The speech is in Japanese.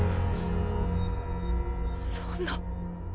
そんな。